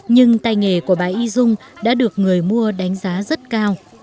nhưng tay nghề của bà y dung đã được người mua đánh giá rất cao